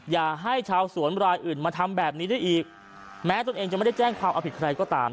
อย่าให้ชาวสวนรายอื่นมาทำแบบนี้ได้อีกแม้ตนเองจะไม่ได้แจ้งความเอาผิดใครก็ตาม